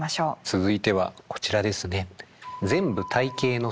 続いてはこちらですね。